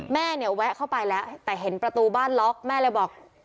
แม่เนี่ยแวะเข้าไปแล้วแต่เห็นประตูบ้านล็อกแม่เลยบอก